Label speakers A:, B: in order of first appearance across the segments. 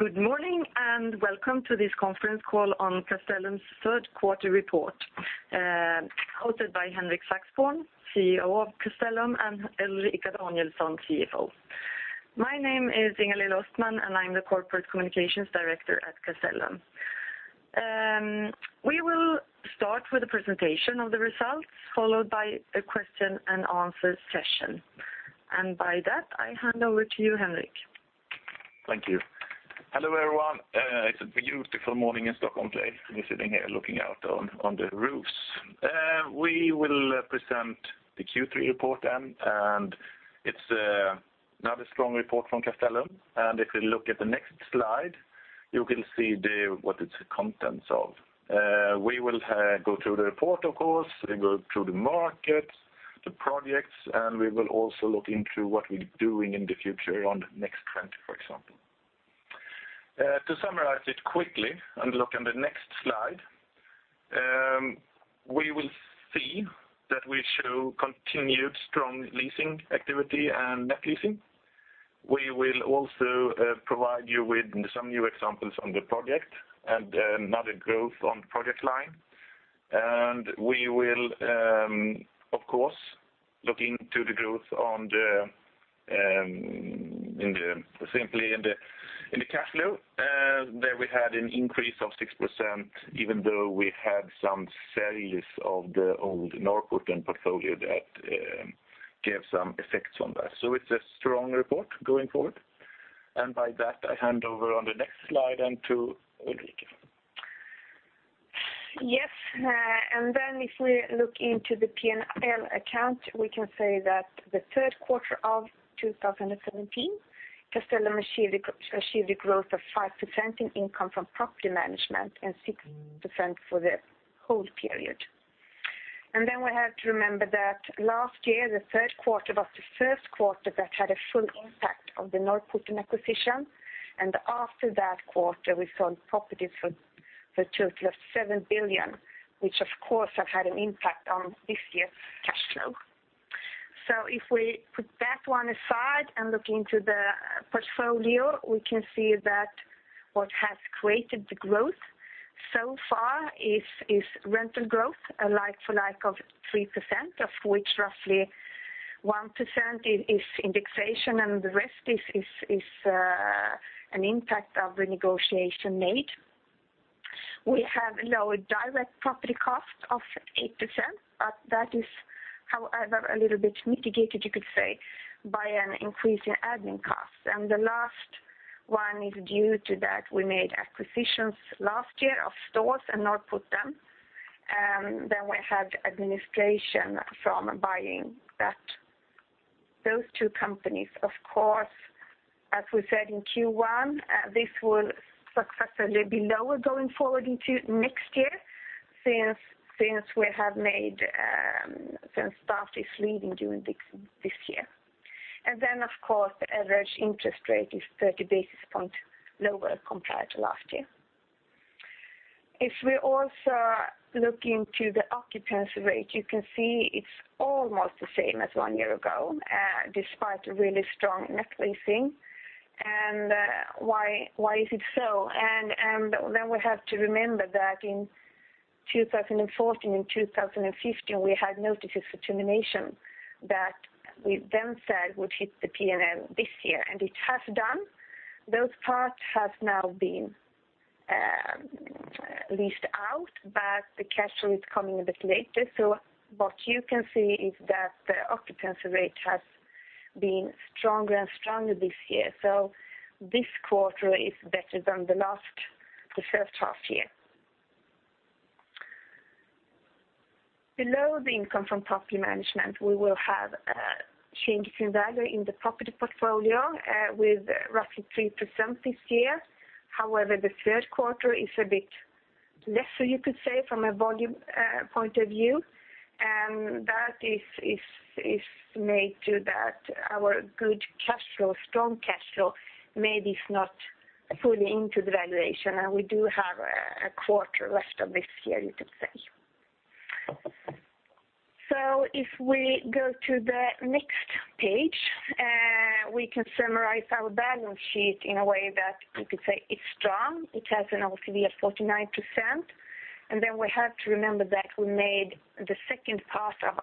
A: Good morning and welcome to this conference call on Castellum's third quarter report, hosted by Henrik Saxborn, CEO of Castellum, and Ulrika Danielsson, CFO. My name is Ingalill Östman, and I'm the Corporate Communications Director at Castellum. We will start with a presentation of the results, followed by a question-and-answer session. By that, I hand over to you, Henrik.
B: Thank you. Hello everyone. It's a beautiful morning in Stockholm today. We're sitting here looking out on, on the roofs. We will present the Q3 report then, and it's not a strong report from Castellum. If you look at the next slide, you will see the what its contents of. We will go through the report, of course, go through the markets, the projects, and we will also look into what we're doing in the future on the Next20, for example. To summarize it quickly and look on the next slide, we will see that we show continued strong leasing activity and net leasing. We will also provide you with some new examples on the project and another growth on the project line. And we will, of course, look into the growth in the cash flow, that we had an increase of 6% even though we had some sales of the old Norrporten portfolio that gave some effects on that. So it's a strong report going forward. And by that, I hand over on the next slide then to Ulrika.
C: Yes. And then if we look into the P&L account, we can say that the third quarter of 2017, Castellum achieved a growth of 5% in income from property management and 6% for the whole period. And then we have to remember that last year, the third quarter was the first quarter that had a full impact of the Norrporten acquisition, and after that quarter, we sold properties for a total of 7 billion, which, of course, have had an impact on this year's cash flow. So if we put that one aside and look into the portfolio, we can see that what has created the growth so far is rental growth, a like-for-like of 3%, of which roughly 1% is an impact of renegotiation made. We have lowered direct property costs of 8%, but that is, however, a little bit mitigated, you could say, by an increase in admin costs. The last one is due to that we made acquisitions last year of stores and Norrporten, then we had administration from buying that. Those two companies, of course, as we said in Q1, this will successfully be lower going forward into next year since staff is leaving during this year. And then, of course, the average interest rate is 30 basis points lower compared to last year. If we also look into the occupancy rate, you can see it's almost the same as one year ago, despite really strong net leasing. Why is it so? And then we have to remember that in 2014 and 2015, we had notices for termination that we then said would hit the P&L this year, and it has done. Those parts have now been leased out, but the cash flow is coming a bit later. So what you can see is that the occupancy rate has been stronger and stronger this year. So this quarter is better than the last, the first half year. Below the income from property management, we will have changes in value in the property portfolio, with roughly 3% this year. However, the third quarter is a bit lesser, you could say, from a volume point of view. And that is made to that our good cash flow, strong cash flow, maybe is not fully into the valuation, and we do have a quarter left of this year, you could say. So if we go to the next page, we can summarize our balance sheet in a way that you could say it's strong. It has an LTV of 49%. And then we have to remember that we made the second part of,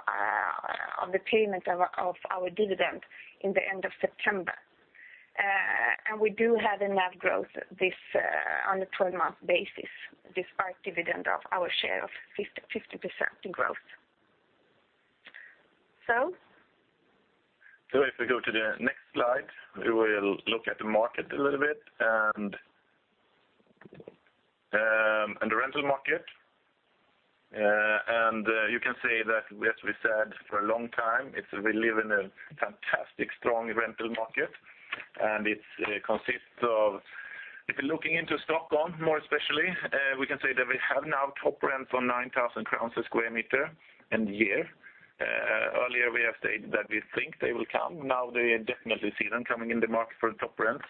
C: of the payment of, of our dividend in the end of September. And we do have a net growth this, on a 12-month basis, this part dividend of our share of 50, 50% in growth. So?
B: If we go to the next slide, we will look at the market a little bit and the rental market. You can say that, as we said for a long time, we live in a fantastic strong rental market, and it consists of, if you're looking into Stockholm, more especially, we can say that we have now top rents on 9,000 crowns a sq m and year. Earlier, we have stated that we think they will come. Now, they definitely see them coming in the market for the top rents.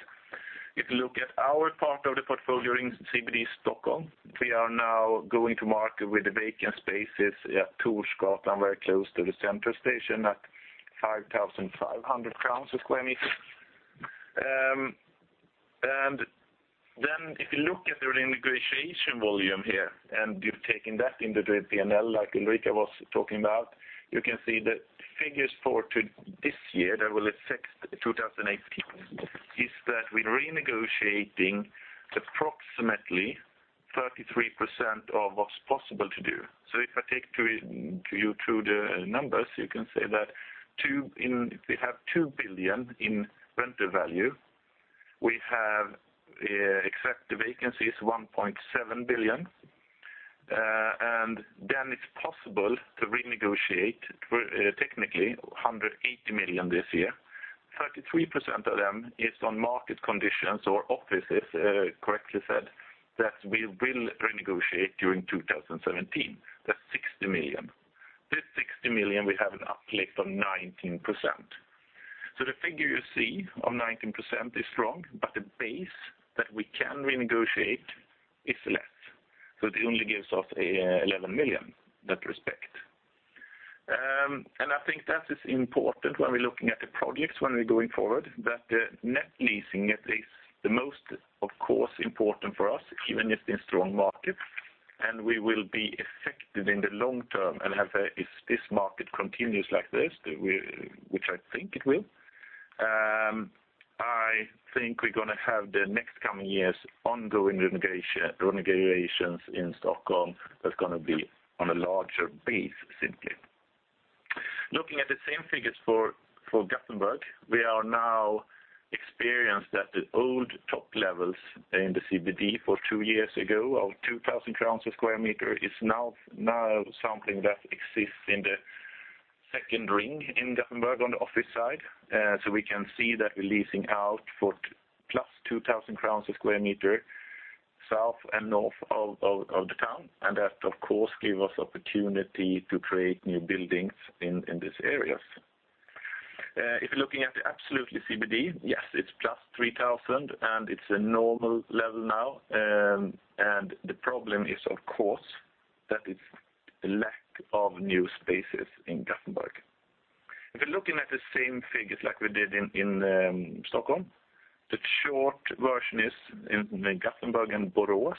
B: If you look at our part of the portfolio in CBD Stockholm, we are now going to market with the vacant spaces at Torsgatan, very close to the center station, at SEK 5,500 a sq m. and then if you look at the renegotiation volume here and you've taken that into the P&L, like Ulrika was talking about, you can see the figures forward to this year, that will be Q4 2018, is that we're renegotiating approximately 33% of what's possible to do. So if I take you through the numbers, you can say that turning to if we have 2 billion in rental value, we have, except the vacancies, 1.7 billion. Then it's possible to renegotiate for, technically, 180 million this year. 33% of them is on market conditions or our offices, correctly said, that we will renegotiate during 2017. That's 60 million. This 60 million, we have an uplift of 19%. So the figure you see of 19% is strong, but the base that we can renegotiate is less. So it only gives us 11 million in that respect. And I think that is important when we're looking at the projects when we're going forward, that the net leasing is the most, of course, important for us, even if it's in strong markets. And we will be affected in the long term and have a if this market continues like this, which I think it will, I think we're gonna have the next coming years ongoing renegotiation renegotiations in Stockholm that's gonna be on a larger base, simply. Looking at the same figures for, for Gothenburg, we are now experience that the old top levels in the CBD for two years ago of 2,000 crowns a sq m is now, now something that exists in the second ring in Gothenburg on the office side. So we can see that we're leasing out for +2,000 crowns/sq m south and north of the town, and that, of course, gives us opportunity to create new buildings in these areas. If you're looking at the absolute CBD, yes, it's +3,000, and it's a normal level now. The problem is, of course, that it's the lack of new spaces in Gothenburg. If you're looking at the same figures like we did in Stockholm, the short version is in Gothenburg and Borås,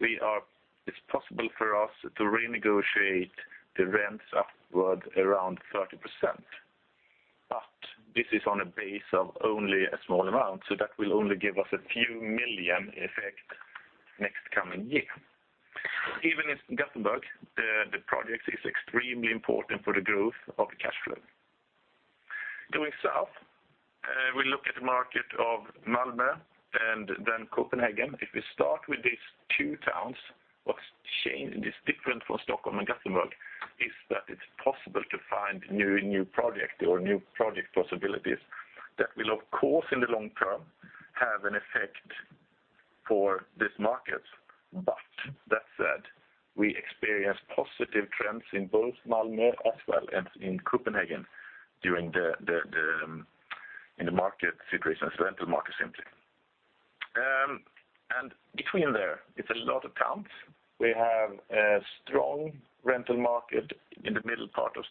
B: we are it's possible for us to renegotiate the rents upward around 30%, but this is on a base of only a small amount, so that will only give us SEK a few million in effect next coming year. Even in Gothenburg, the project is extremely important for the growth of the cash flow. Going south, we look at the market of Malmö and then Copenhagen. If we start with these two towns, what's changed is different from Stockholm and Gothenburg is that it's possible to find new projects or new project possibilities that will, of course, in the long term have an effect for these markets. But that said, we experience positive trends in both Malmö as well as in Copenhagen during the in the market situations, the rental market, simply. Between there, it's a lot of towns. We have a strong rental market in the middle part of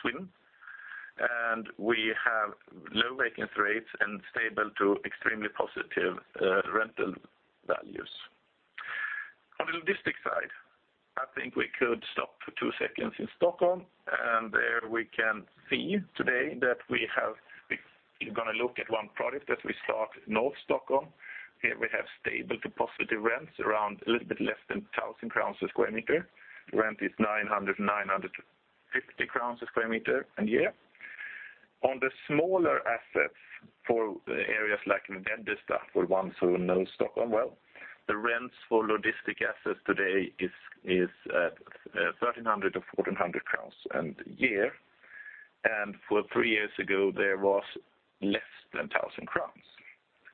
B: Sweden, and we have low vacancy rates and stable to extremely positive rental values. On the logistics side, I think we could stop for two seconds in Stockholm, and there we can see today that we're gonna look at one project that we start north Stockholm. Here, we have stable to positive rents around a little bit less than 1,000 crowns a sq m. The rent is 900-950 crowns a sq m and year. On the smaller assets for areas like Veddesta, for the ones who know Stockholm well, the rents for logistics assets today is at 1,300 or 1,400 crowns and year. And for three years ago, there was less than 1,000 crowns.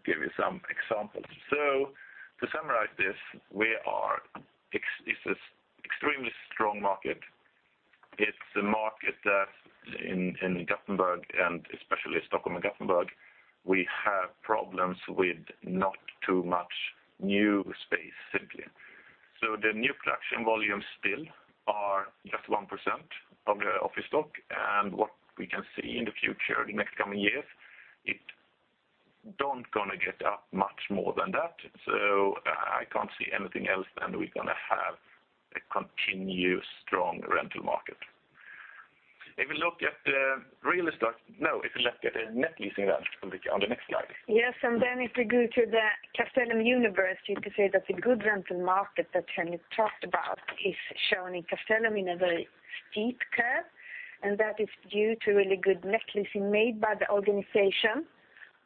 B: Give you some examples. So to summarize this, we are experiencing it's a extremely strong market. It's a market that in Gothenburg and especially Stockholm and Gothenburg, we have problems with not too much new space, simply. So the new production volumes still are just 1% of the office stock, and what we can see in the future, the next coming years, it's don't gonna get up much more than that. So, I can't see anything else than we're gonna have a continued strong rental market. If we look at the real estate, no, if we look at the net leasing then, Ulrika, on the next slide.
C: Yes. And then if we go to the Castellum Universe, you could say that the good rental market that Henrik talked about is shown in Castellum in a very steep curve, and that is due to really good net leasing made by the organization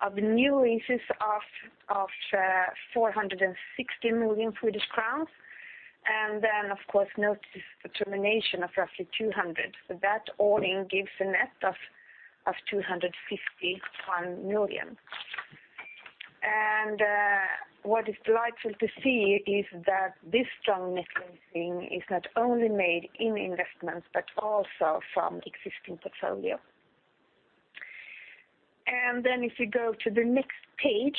C: of new leases of 460 million Swedish crowns. And then, of course, notice the termination of roughly 200 million. So that all in gives a net of 251 million. And, what is delightful to see is that this strong net leasing is not only made in investments but also from existing portfolio. And then if we go to the next page,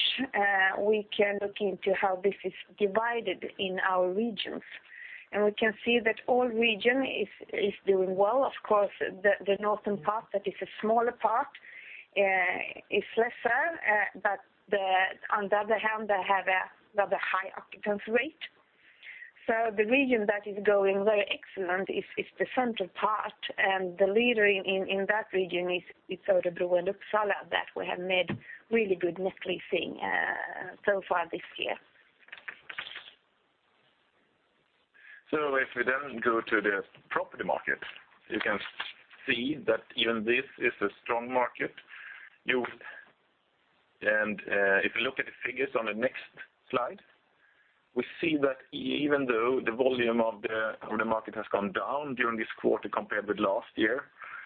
C: we can look into how this is divided in our regions. And we can see that all region is doing well. Of course, the northern part, that is a smaller part, is lesser, but on the other hand, they have a rather high occupancy rate. So the region that is going very excellent is the central part, and the leader in that region is Örebro and Uppsala that we have made really good net leasing, so far this year.
B: So if we then go to the property market, you can see that even this is a strong market. You can, if you look at the figures on the next slide, we see that even though the volume of the market has gone down during this quarter compared with last year,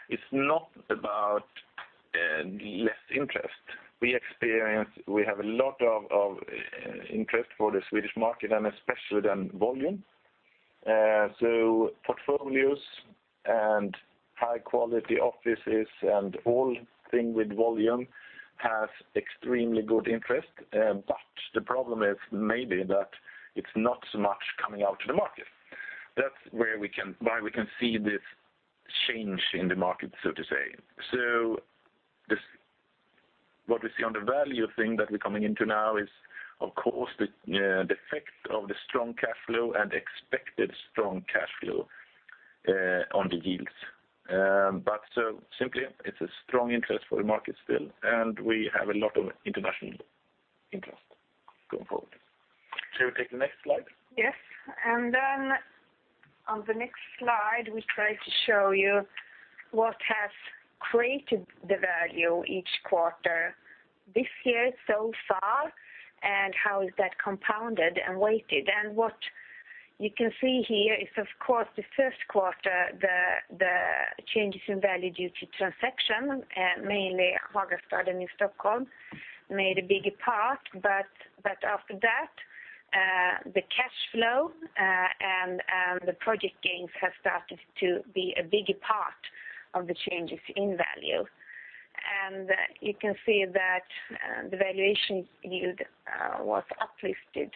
B: it's not about less interest. We experience we have a lot of interest for the Swedish market and especially then volume. So portfolios and high-quality offices and all things with volume has extremely good interest, but the problem is maybe that it's not so much coming out to the market. That's why we can see this change in the market, so to say. So this what we see on the value thing that we're coming into now is, of course, the effect of the strong cash flow and expected strong cash flow, on the yields. But so simply, it's a strong interest for the market still, and we have a lot of international interest going forward. Shall we take the next slide?
C: Yes. And then on the next slide, we try to show you what has created the value each quarter this year so far and how is that compounded and weighted. What you can see here is, of course, the first quarter, the changes in value due to transaction, mainly Hagastaden in Stockholm, made a bigger part, but after that, the cash flow, and the project gains have started to be a bigger part of the changes in value. You can see that the valuation yield was uplifted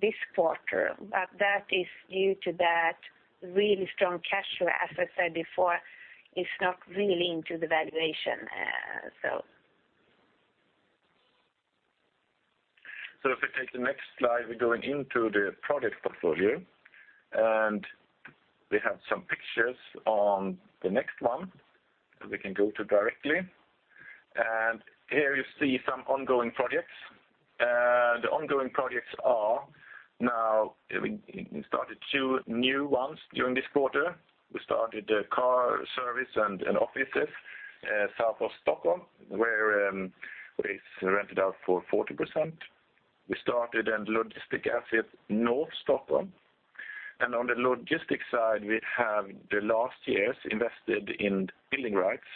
C: this quarter, but that is due to that really strong cash flow, as I said before, is not really into the valuation, so.
B: So if we take the next slide, we're going into the project portfolio, and we have some pictures on the next one that we can go to directly. Here you see some ongoing projects. The ongoing projects are now we started 2 new ones during this quarter. We started the car service and offices south of Stockholm where it's rented out for 40%. We started then logistics assets north of Stockholm. And on the logistics side, we have the last years invested in building rights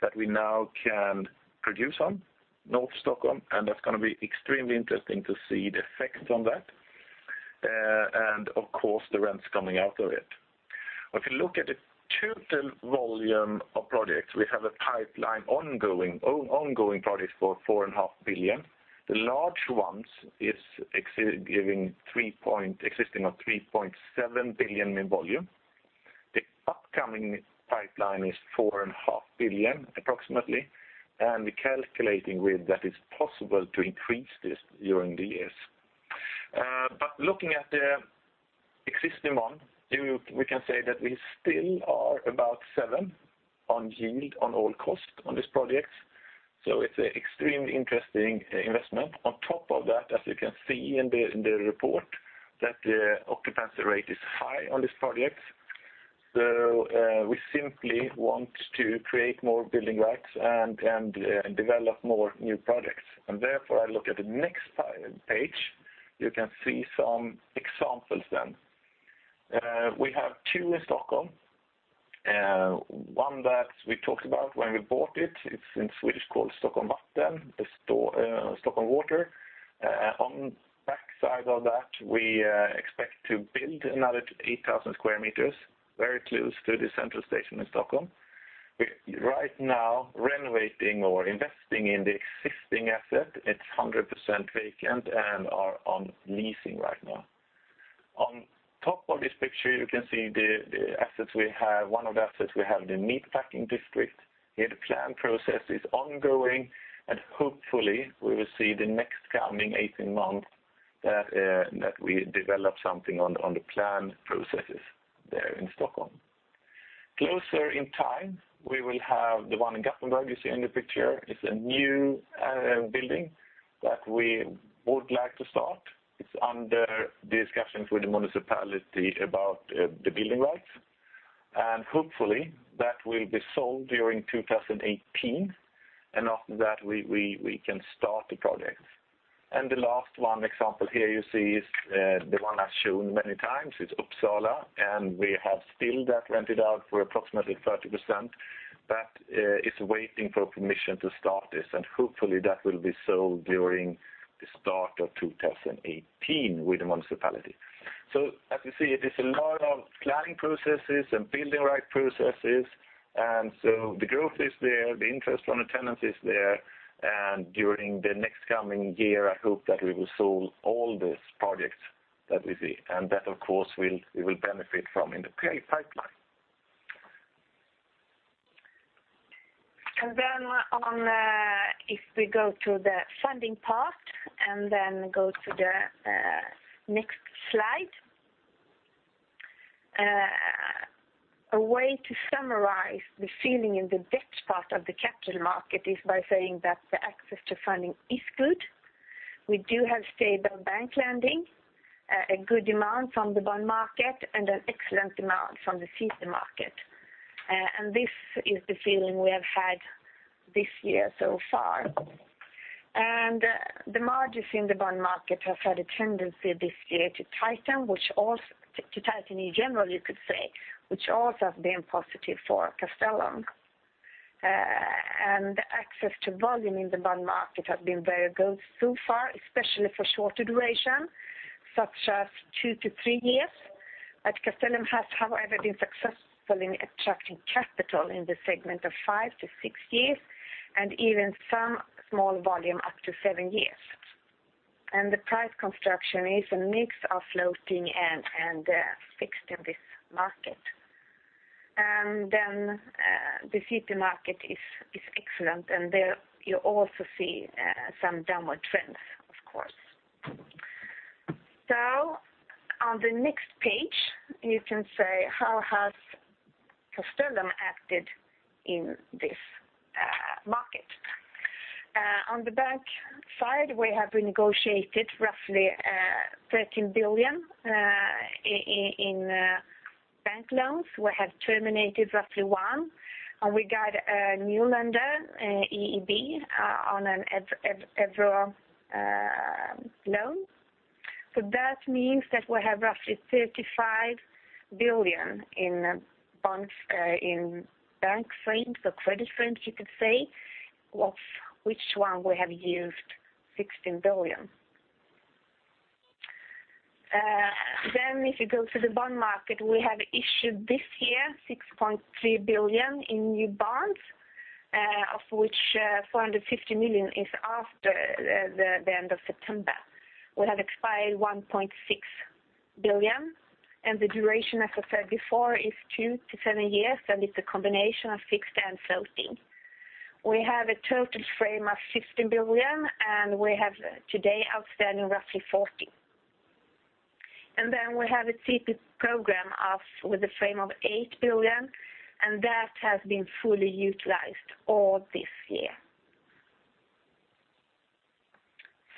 B: that we now can produce on north of Stockholm, and that's gonna be extremely interesting to see the effects on that, and, of course, the rents coming out of it. If you look at the total volume of projects, we have a pipeline ongoing projects for 4.5 billion. The large ones is existing giving 3.7 billion in volume. The upcoming pipeline is 4.5 billion approximately, and we're calculating with that it's possible to increase this during the years. But looking at the existing one, we can say that we still are about 7% yield on all costs on these projects. So it's a extremely interesting investment. On top of that, as you can see in the report, the occupancy rate is high on these projects. So, we simply want to create more building rights and develop more new projects. And therefore, if you look at the next page, you can see some examples then. We have two in Stockholm, one that we talked about when we bought it. It's in Swedish called Stockholm Vatten, the Stockholm Water. the backside of that, we expect to build another 8,000 sq m very close to the central station in Stockholm. We're right now renovating or investing in the existing asset. It's 100% vacant and are on leasing right now. On top of this picture, you can see the assets we have. One of the assets we have the Meatpacking District. Here, the plan process is ongoing, and hopefully, we will see the next coming 18 months that we develop something on the plan processes there in Stockholm. Closer in time, we will have the one in Gothenburg you see in the picture. It's a new building that we would like to start. It's under discussions with the municipality about the building rights. And hopefully, that will be sold during 2018, and after that, we can start the projects. And the last one example here you see is, the one I've shown many times. It's Uppsala, and we have still that rented out for approximately 30% that, is waiting for permission to start this, and hopefully, that will be sold during the start of 2018 with the municipality. So as you see, it is a lot of planning processes and building rights processes, and so the growth is there. The interest on the tenants is there. And during the next coming year, I hope that we will sell all these projects that we see, and that, of course, we will benefit from in the pay pipeline.
C: Then on, if we go to the funding part and then go to the next slide, a way to summarize the feeling in the debt part of the capital market is by saying that the access to funding is good. We do have stable bank lending, a good amount from the bond market, and an excellent amount from the CP market. This is the feeling we have had this year so far. The margins in the bond market have had a tendency this year to tighten, which also to tighten in general, you could say, which also has been positive for Castellum. The access to volume in the bond market has been very good so far, especially for shorter duration such as two-three years. But Castellum has, however, been successful in attracting capital in the segment of five-six years and even some small volume up to seven years. And the price construction is a mix of floating and fixed in this market. And then, the CP market is excellent, and there you also see some downward trends, of course. So on the next page, you can say how has Castellum acted in this market. On the bank side, we have renegotiated roughly 13 billion in bank loans. We have terminated roughly 1 billion, and we got a new lender, EIB, on an euro loan. So that means that we have roughly 35 billion in bonds in bank frames or credit frames, you could say. Of which we have used 16 billion. Then, if you go to the bond market, we have issued this year 6.3 billion in new bonds, of which 450 million is after the end of September. We have expired 1.6 billion, and the duration, as I said before, is two-seven years, and it's a combination of fixed and floating. We have a total frame of 15 billion, and we have today outstanding roughly 40 billion. And then we have a CP program with a frame of 8 billion, and that has been fully utilized all this year.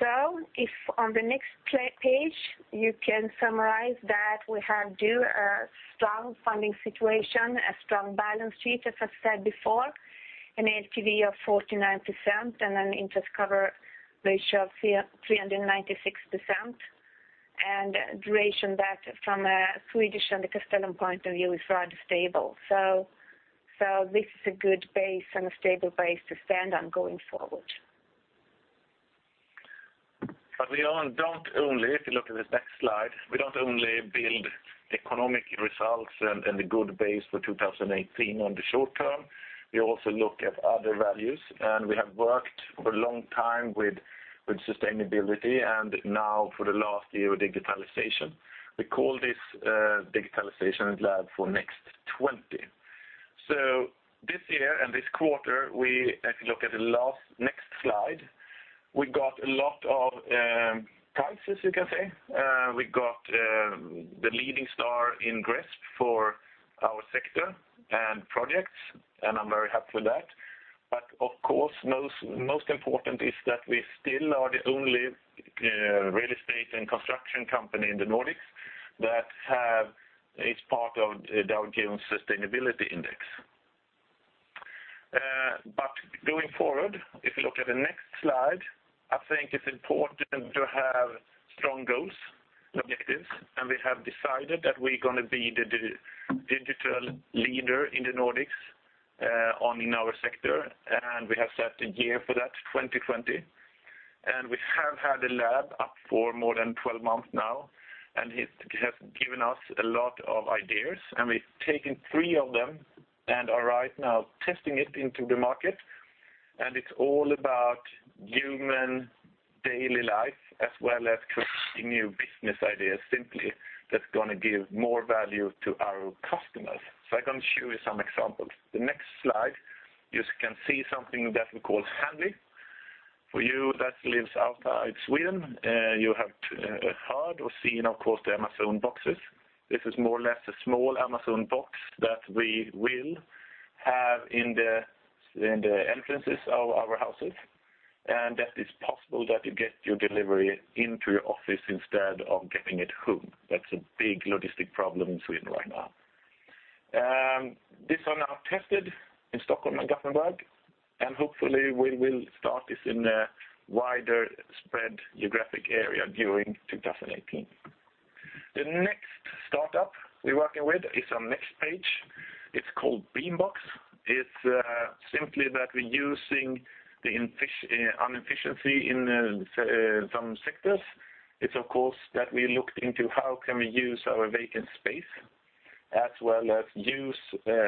C: So, on the next page, you can see that we do have a strong funding situation, a strong balance sheet, as I said before, an LTV of 49% and an interest cover ratio of 396%, and a duration that from a Swedish and the Castellum point of view is rather stable. This is a good base and a stable base to stand on going forward.
B: But we don't only if you look at this next slide, we don't only build economic results and a good base for 2018 on the short term. We also look at other values, and we have worked for a long time with sustainability, and now for the last year, digitalization. We call this digitalization lab for next 20. So this year and this quarter, if you look at the next slide, we got a lot of prizes, you can say. We got the leading star in GRESB for our sector and projects, and I'm very happy with that. But of course, most important is that we still are the only real estate and construction company in the Nordics that is part of Dow Jones Sustainability Index. But going forward, if you look at the next slide, I think it's important to have strong goals and objectives, and we have decided that we're gonna be the digital leader in the Nordics in our sector, and we have set a year for that, 2020. And we have had a lab up for more than 12 months now, and it has given us a lot of ideas, and we've taken three of them and are right now testing it into the market. And it's all about human daily life as well as creating new business ideas simply that's gonna give more value to our customers. So I'm gonna show you some examples. The next slide, you can see something that we call Handly. For you that lives outside Sweden, you haven't heard or seen, of course, the Amazon boxes. This is more or less a small Amazon box that we will have in the entrances of our houses, and that is possible that you get your delivery into your office instead of getting it home. That's a big logistic problem in Sweden right now. These are now tested in Stockholm and Gothenburg, and hopefully, we will start this in a wider spread geographic area during 2018. The next startup we're working with is on next page. It's called Beambox. It's simply that we're using the inefficiency in see some sectors. It's, of course, that we looked into how can we use our vacant space as well as use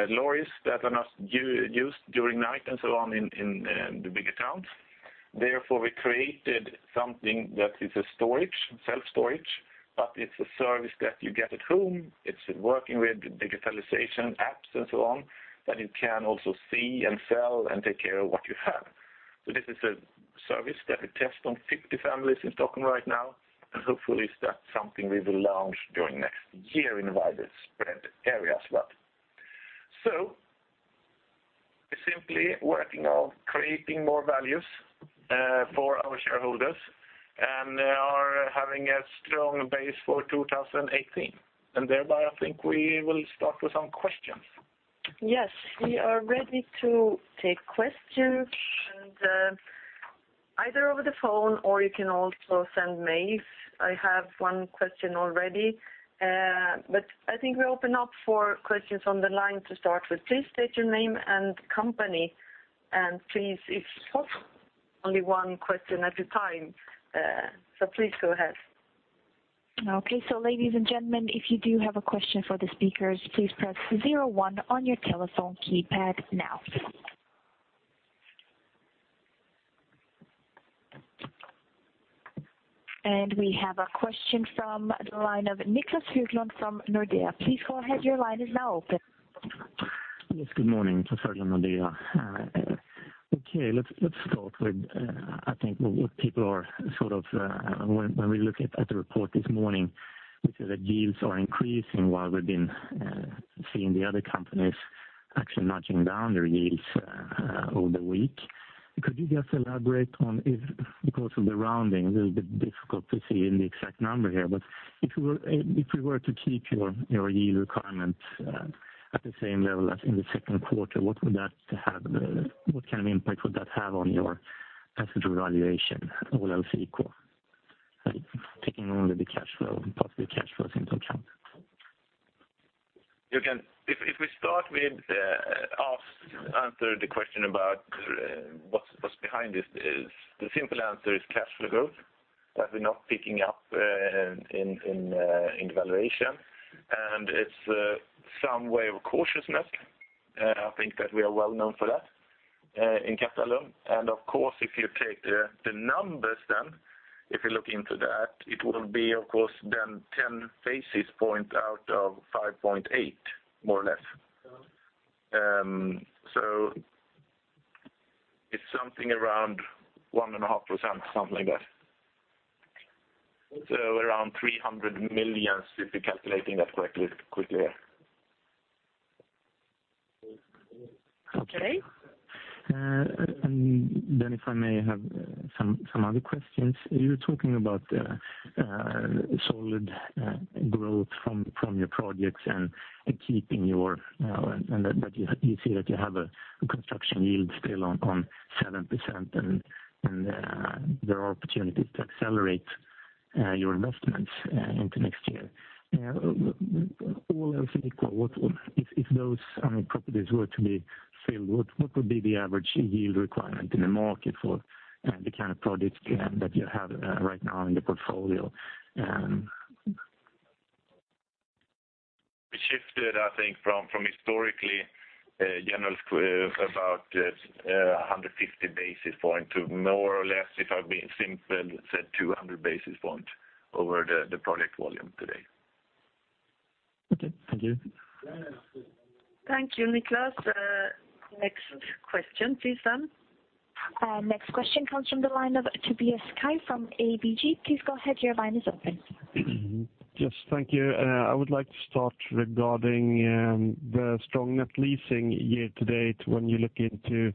B: lorries that are not used during night and so on in the bigger towns. Therefore, we created something that is a storage, self-storage, but it's a service that you get at home. It's working with digitalization apps and so on that you can also see and sell and take care of what you have. So this is a service that we test on 50 families in Stockholm right now, and hopefully, that's something we will launch during next year in wider spread areas, but. So we're simply working on creating more values for our shareholders and are having a strong base for 2018. Thereby, I think we will start with some questions.
A: Yes. We are ready to take questions, and either over the phone or you can also send mails. I have one question already, but I think we open up for questions on the line to start with. Please state your name and company, and please, if possible, only one question at a time. So please go ahead.
D: Okay. So ladies and gentlemen, if you do have a question for the speakers, please press 01 on your telephone keypad now. And we have a question from the line of Niclas Höglund from Nordea. Please go ahead. Your line is now open.
E: Yes. Good morning, from Nordea. Okay. Let's start with, I think what people are sort of, when we look at the report this morning, we said that yields are increasing while we've been seeing the other companies actually nudging down their yields over the week. Could you just elaborate on if because of the rounding, a little bit difficult to see in the exact number here, but if we were to keep your yield requirements at the same level as in the second quarter, what kind of impact would that have on your EPRA valuation, ceteris paribus, taking only the possible cash flows into account?
B: You can, if we start with answering the question about what's behind this, the simple answer is cash flow growth that we're not picking up in the valuation. And it's in some way of cautiousness. I think that we are well known for that in Castellum. And of course, if you take the numbers then, if you look into that, it will be of course then 10 basis points out of 5.8, more or less. So it's something around 1.5%, something like that. So around 300 million, if you're calculating that correctly, quickly here.
E: Okay. And then if I may have some other questions. You were talking about solid growth from your projects and keeping your and that you see that you have a construction yield still on 7% and there are opportunities to accelerate your investments into next year. What if those unit properties were to be filled, what would be the average yield requirement in the market for the kind of project that you have right now in the portfolio?
B: We shifted, I think, from historically generally about 150 basis points to more or less, if I've been simplistic, I'd say 200 basis points over the project volume today.
E: Okay. Thank you.
A: Thank you, Niclas. Next question, please, then.
D: Next question comes from the line of Tobias Kaj from ABG. Please go ahead. Your line is open.
F: Mm-hmm. Yes. Thank you. I would like to start regarding the strong net leasing year to date when you look into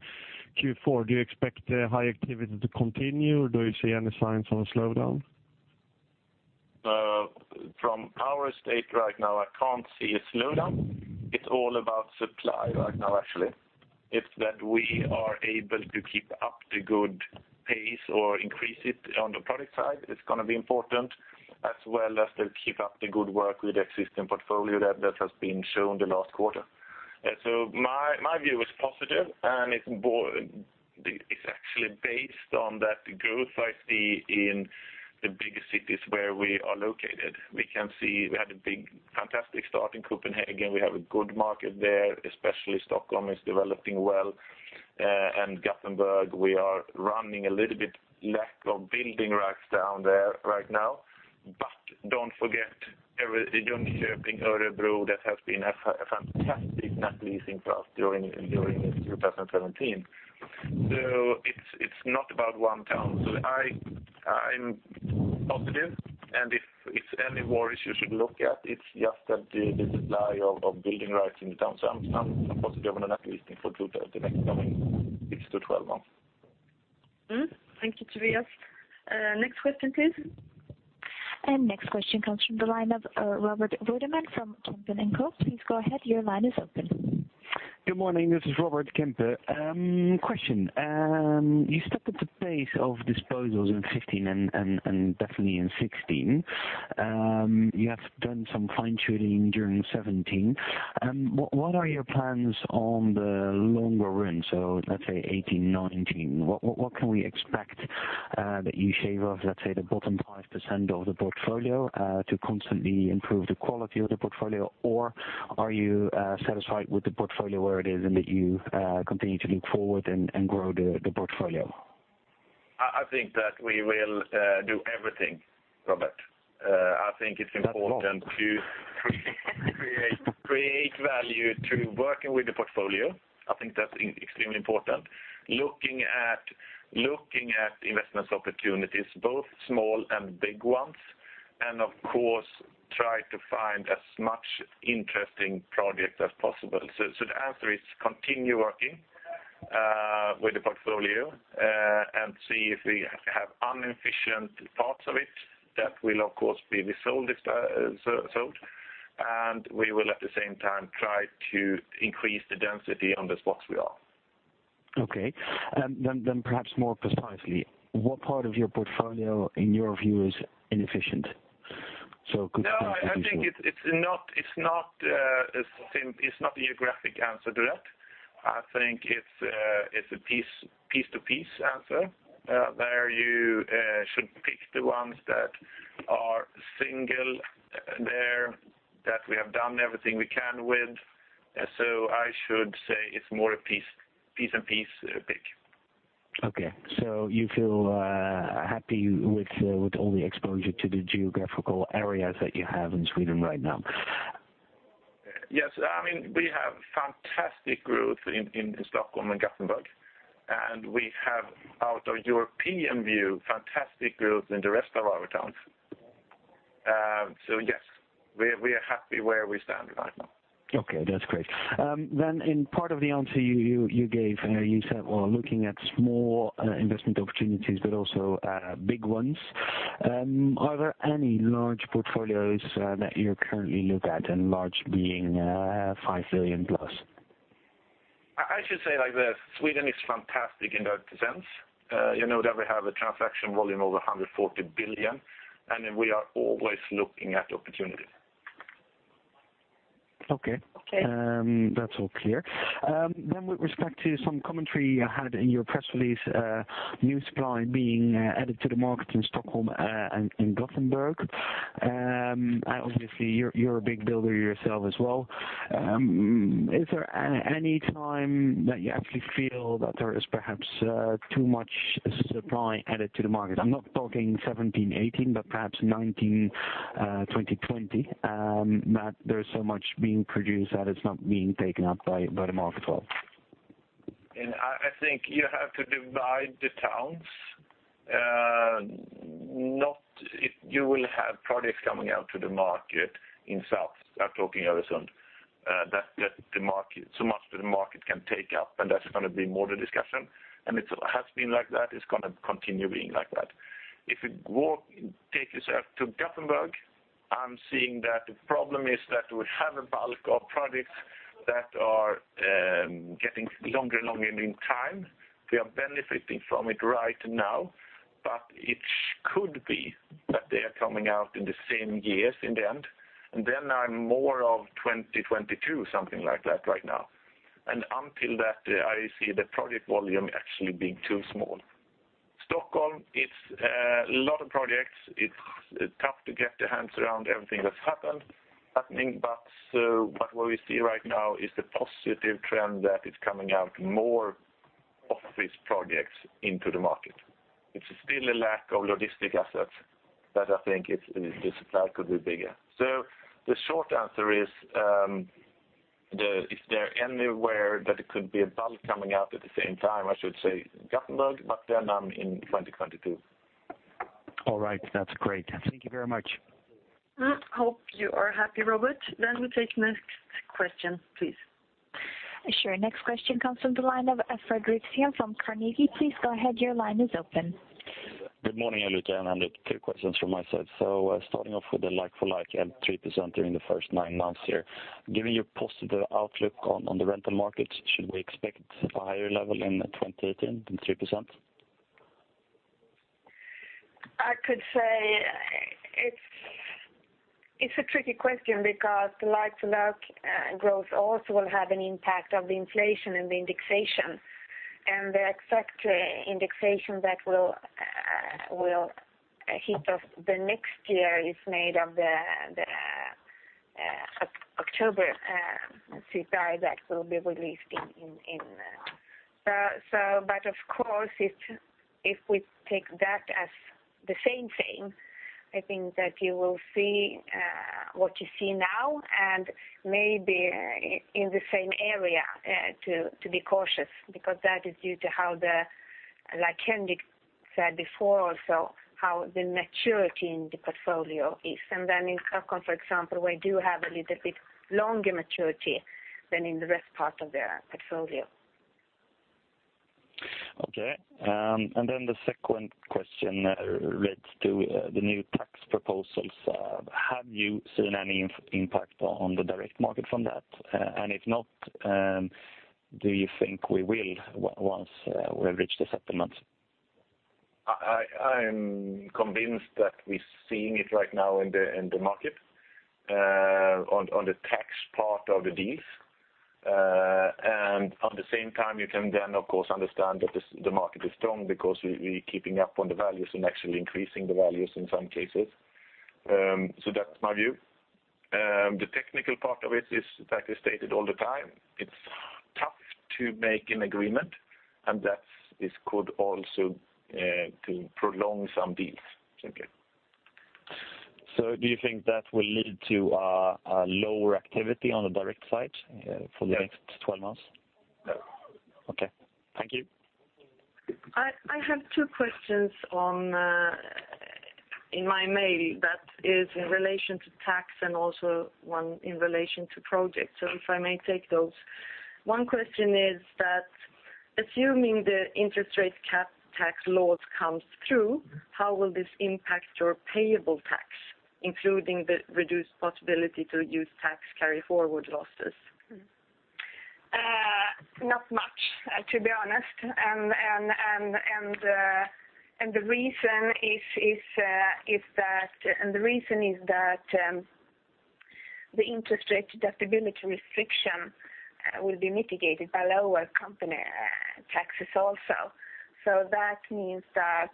F: Q4. Do you expect high activity to continue, or do you see any signs of a slowdown?
B: From our estate right now, I can't see a slowdown. It's all about supply right now, actually. It's that we are able to keep up the good pace or increase it on the product side. It's gonna be important as well as to keep up the good work with the existing portfolio that has been shown the last quarter. So my view is positive, and it's actually based on that growth I see in the bigger cities where we are located. We can see we had a big fantastic start in Copenhagen. We have a good market there, especially Stockholm is developing well. And Gothenburg, we are running a little bit lack of building right down there right now. But don't forget every Jönköping, Örebro, that has been a fantastic net leasing for us during 2017. So it's not about one town. So I'm positive. And if any worries you should look at, it's just that the supply of building rights in the town. So I'm positive on the net leasing for two to the next coming 6-12 months.
A: Thank you, Tobias. Next question, please.
D: Next question comes from the line of Robert Woerdeman from Kempen & Co. Please go ahead. Your line is open.
G: Good morning. This is Robert Woerdeman. You stepped up the pace of disposals in 2015 and, and, and definitely in 2016. You have done some fine-tuning during 2017. What, what, what are your plans on the longer run? So let's say 2018, 2019. What, what, what can we expect, that you shave off, let's say, the bottom 5% of the portfolio, to constantly improve the quality of the portfolio, or are you satisfied with the portfolio where it is and that you continue to look forward and, and grow the, the portfolio?
B: I think that we will do everything, Robert. I think it's important.
G: That's what.
B: To create, create, create value through working with the portfolio. I think that's extremely important. Looking at investment opportunities, both small and big ones, and of course, try to find as much interesting project as possible. So the answer is continue working with the portfolio, and see if we have inefficient parts of it that will, of course, be resold, disposed sold. And we will, at the same time, try to increase the density on the spots we are.
G: Okay. And then, perhaps more precisely, what part of your portfolio, in your view, is inefficient? So could you please introduce yourself?
B: No. I think it's not a simple geographic answer to that. I think it's a piece-by-piece answer, where you should pick the ones that are single there that we have done everything we can with. So I should say it's more a piece-by-piece pick.
G: Okay. So you feel happy with all the exposure to the geographical areas that you have in Sweden right now?
B: Yes. I mean, we have fantastic growth in Stockholm and Gothenburg, and we have, out of European view, fantastic growth in the rest of our towns. So yes. We're happy where we stand right now.
G: Okay. That's great. Then in part of the answer you gave, you said, "Well, looking at small investment opportunities but also big ones." Are there any large portfolios that you currently look at, and large being 5 billion plus?
B: I should say like this. Sweden is fantastic in that sense. You know, we have a transaction volume over 140 billion, and we are always looking at opportunity.
G: Okay.
C: Okay.
G: That's all clear. Then with respect to some commentary I had in your press release, new supply being added to the market in Stockholm and Gothenburg. And obviously, you're a big builder yourself as well. Is there any time that you actually feel that there is perhaps too much supply added to the market? I'm not talking 2017, 2018, but perhaps 2019, 2020, that there's so much being produced that it's not being taken up by the market well.
B: I think you have to divide the towns. Not if you will have projects coming out to the market in South. I'm talking Öresund, that the market so much that the market can take up, and that's gonna be more the discussion. It has been like that. It's gonna continue being like that. If you go take yourself to Gothenburg, I'm seeing that the problem is that we have a bulk of projects that are getting longer and longer in time. We are benefiting from it right now, but it should be that they are coming out in the same years in the end, and then I'm more of 2022, something like that right now. Until that, I see the project volume actually being too small. Stockholm, it's a lot of projects. It's tough to get the hands around everything that's happening. What we see right now is the positive trend that it's coming out more office projects into the market. It's still a lack of logistics assets that I think it's in the supply could be bigger. So the short answer is, if there's anywhere that it could be a bulk coming out at the same time, I should say Gothenburg, but then in 2022.
G: All right. That's great. Thank you very much.
A: Hope you are happy, Robert. Then we take next question, please.
D: Sure. Next question comes from the line of Fredric Cyon from Carnegie. Please go ahead. Your line is open.
H: Good morning, Ulrika. I have two questions from my side. So, starting off with the like-for-like at 3% during the first nine months here, giving you a positive outlook on the rental markets, should we expect a higher level in 2018 than 3%?
C: I could say it's a tricky question because the like-for-like growth also will have an impact of the inflation and the indexation. And the exact indexation that will hit us the next year is made of the October CPI that will be released in, but of course, if we take that as the same thing, I think that you will see what you see now and maybe in the same area to be cautious because that is due to how, like Henrik said before, also how the maturity in the portfolio is. And then in Stockholm, for example, we do have a little bit longer maturity than in the rest part of the portfolio.
H: Okay. Then the second question relates to the new tax proposals. Have you seen any impact on the direct market from that? And if not, do you think we will once we have reached the settlement?
B: I'm convinced that we're seeing it right now in the market, on the tax part of the deals. And at the same time, you can then, of course, understand that the market is strong because we're keeping up on the values and actually increasing the values in some cases. So that's my view. The technical part of it is like I stated all the time. It's tough to make an agreement, and that could also prolong some deals, simply.
H: Do you think that will lead to a lower activity on the direct side for the next? 12 months?
B: Yes.
H: Okay. Thank you.
A: I have two questions on, in my mail that is in relation to tax and also one in relation to projects. So if I may take those. One question is that assuming the interest rate cap tax laws comes through, how will this impact your payable tax, including the reduced possibility to use tax carry forward losses?
C: Not much, to be honest. And the reason is that the interest rate deductibility restriction will be mitigated by lower company taxes also. So that means that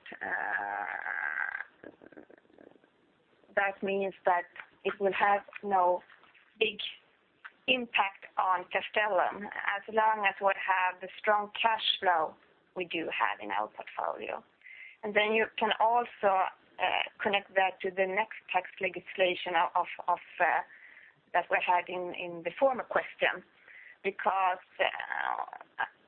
C: it will have no big impact on Castellum as long as we have the strong cash flow we do have in our portfolio. You can also connect that to the next tax legislation of that we had in the former question because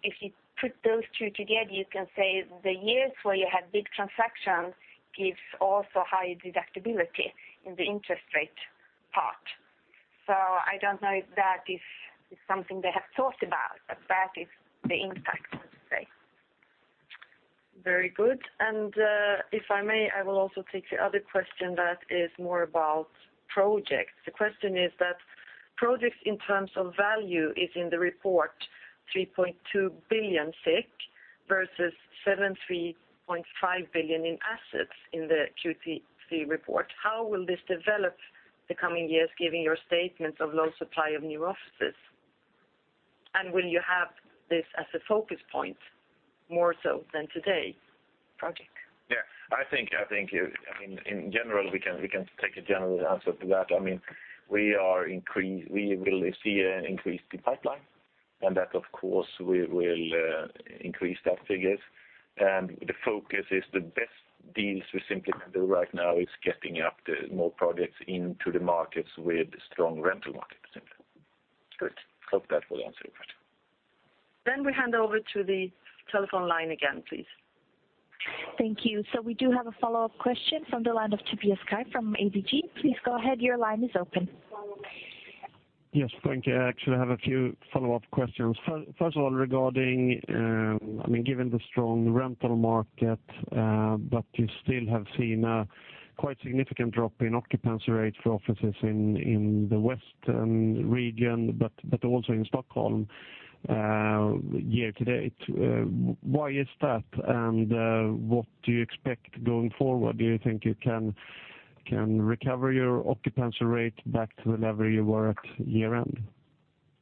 C: if you put those two together, you can say the years where you had big transactions gives also higher deductibility in the interest rate part. So I don't know if that is something they have thought about, but that is the impact, I would say.
A: Very good. And, if I may, I will also take the other question that is more about projects. The question is that projects in terms of value is in the report 3.2 billion versus 73.5 billion in assets in the Q3 C report. How will this develop the coming years given your statements of low supply of new offices? And will you have this as a focus point more so than today? Project?
B: Yeah. I think it I mean, in general, we can take a general answer to that. I mean, we will see an increase in the pipeline, and that, of course, we will increase that figure. And the focus is the best deals we simply can do right now is getting up the more projects into the markets with strong rental markets, simply.
A: Good.
B: Hope that will answer your question.
A: Then we hand over to the telephone line again, please.
D: Thank you. So we do have a follow-up question from the line of Tobias Kaj from ABG. Please go ahead. Your line is open.
F: Yes. Thank you. I actually have a few follow-up questions. First of all, regarding, I mean, given the strong rental market, but you still have seen a quite significant drop in occupancy rate for offices in the western region but also in Stockholm year-to-date. Why is that? And, what do you expect going forward? Do you think you can recover your occupancy rate back to the level you were at year-end?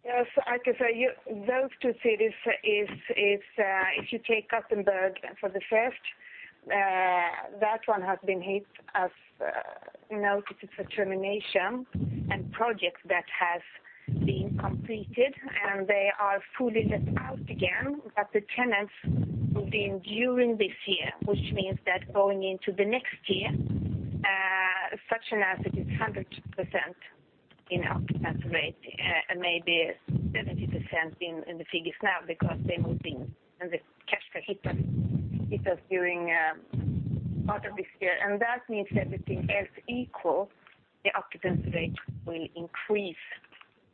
C: Yes. I could say you those two cities is, if you take Gothenburg for the first, that one has been hit as noticed its termination and project that has been completed, and they are fully let out again. But the tenants moved in during this year, which means that going into the next year, such an asset is 100% in occupancy rate, and maybe 70% in the figures now because they moved in, and the cash flow hit us during part of this year. And that means everything else equal, the occupancy rate will increase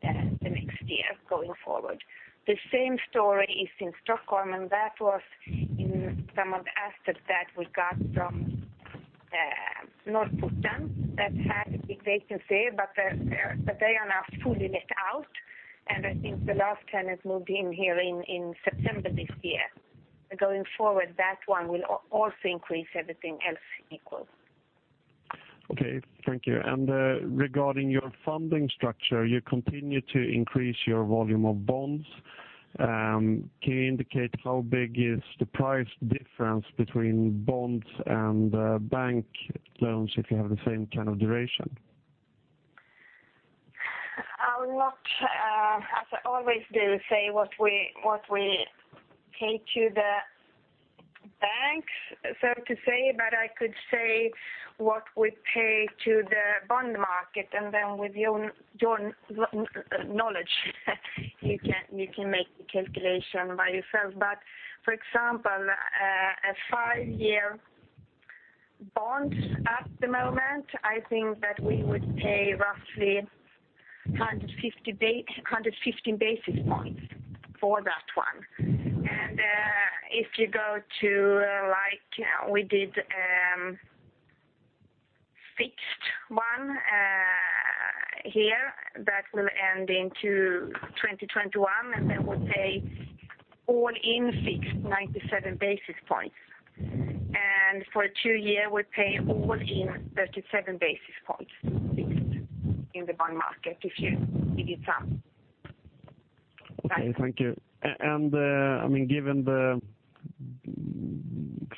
C: the next year going forward. The same story is in Stockholm, and that was in some of the assets that we got from Norrporten that had a big vacancy, but they are now fully let out. I think the last tenant moved in here in September this year. Going forward, that one will also increase everything else equal.
F: Okay. Thank you. And, regarding your funding structure, you continue to increase your volume of bonds. Can you indicate how big is the price difference between bonds and bank loans if you have the same kind of duration?
C: I will not, as I always do, say what we pay to the banks, so to say, but I could say what we pay to the bond market. And then with your knowledge, you can make the calculation by yourself. But for example, a 5-year bond at the moment, I think that we would pay roughly 150, 115 basis points for that one. And, if you go to, like we did, fixed one, here, that will end in 2021, and then we'll pay all-in fixed 97 basis points. And for a 2-year, we pay all-in 37 basis points fixed in the bond market if you divide it up.
F: Okay. Thank you. And, I mean, given the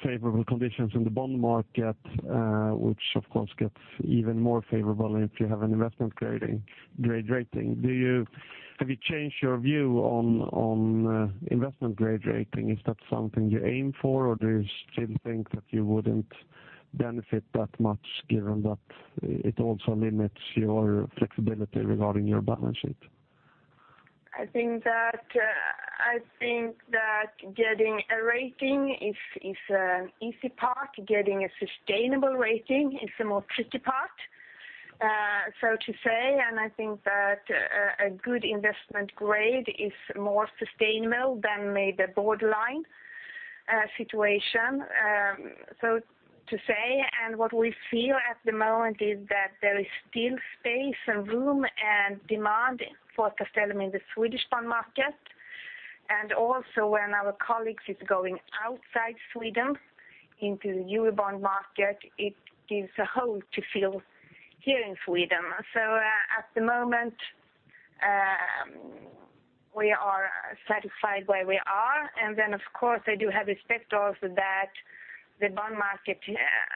F: favorable conditions in the bond market, which, of course, gets even more favorable if you have an investment grade rating, have you changed your view on investment grade rating? Is that something you aim for, or do you still think that you wouldn't benefit that much given that it also limits your flexibility regarding your balance sheet?
C: I think that getting a rating is an easy part. Getting a sustainable rating is a more tricky part, so to say. And I think that a good investment grade is more sustainable than maybe a borderline situation, so to say. And what we feel at the moment is that there is still space and room and demand for Castellum in the Swedish bond market. And also when our colleagues is going outside Sweden into the EU bond market, it gives a hole to fill here in Sweden. So, at the moment, we are satisfied where we are. And then, of course, I do have respect also that the bond market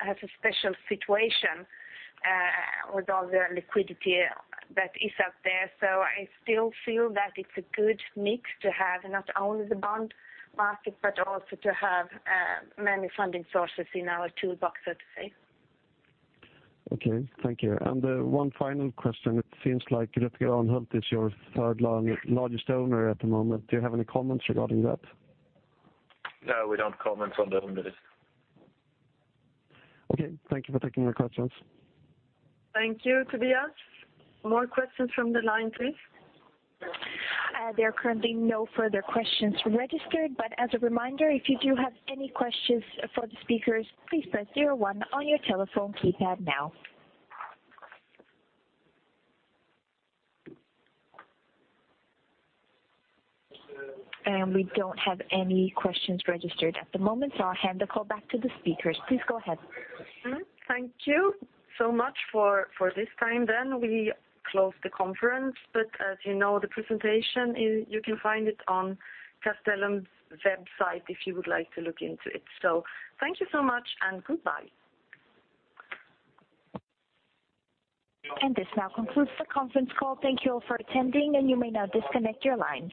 C: has a special situation with all the liquidity that is out there. I still feel that it's a good mix to have not only the bond market but also many funding sources in our toolbox, so to say.
F: Okay. Thank you. One final question. It seems like Rutger Arnhult is your third largest owner at the moment. Do you have any comments regarding that?
B: No. We don't comment on the owners.
F: Okay. Thank you for taking my questions.
A: Thank you, Tobias. More questions from the line, please?
D: There are currently no further questions registered. As a reminder, if you do have any questions for the speakers, please press 01 on your telephone keypad now. We don't have any questions registered at the moment, so I'll hand the call back to the speakers. Please go ahead.
A: Thank you so much for this time then. We close the conference. But as you know, the presentation is you can find it on Castellum's website if you would like to look into it. So thank you so much, and goodbye.
D: This now concludes the conference call. Thank you all for attending, and you may now disconnect your line.